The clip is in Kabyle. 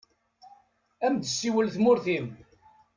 Ad am-d-tessiwel tmurt-im.